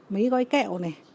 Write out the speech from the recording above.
mấy gói kẹo này